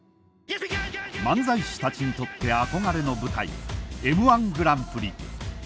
漫才師たちにとって憧れの舞台Ｍ−１グランプリ。